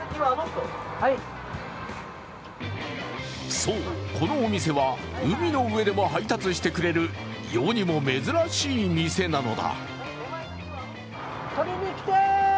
そう、このお店は海の上でも配達してくれる世にも珍しい店なのだ。